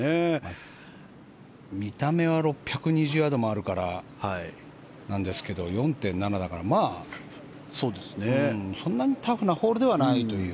見た目は６２０ヤードもあるんですけど４．７だからまあ、そんなにタフなホールではないという。